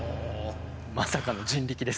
まさかの人力です。